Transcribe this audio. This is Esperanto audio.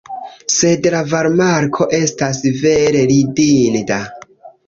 Sed la varmarko estas vere ridinda!